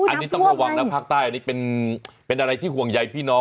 อันนี้ต้องระวังนะภาคใต้อันนี้เป็นอะไรที่ห่วงใยพี่น้อง